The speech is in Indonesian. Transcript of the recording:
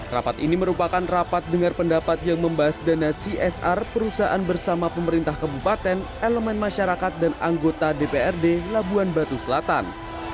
rapat ini merupakan rapat dengar pendapat yang membahas dana csr perusahaan bersama pemerintah kabupaten elemen masyarakat dan anggota dprd labuan batu selatan